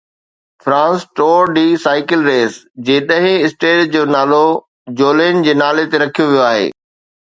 France tour de cycle race جي ڏهين stage جو نالو جولين جي نالي تي رکيو ويو آهي